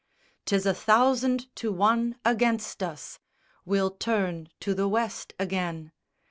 'Tis a thousand to one against us: we'll turn to the West again!